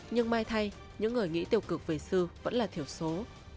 nhưng mai thay những người nghĩ tiêu cực về sư vẫn là thiểu số